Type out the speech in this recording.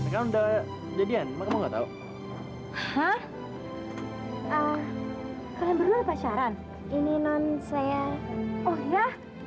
kalian berdua pasaran ini non saya oh ya